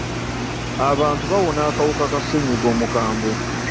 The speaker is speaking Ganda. Abantu bawona akawuka ka ssenyiga omukambwe.